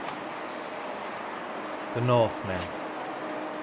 THE NORTHMEN.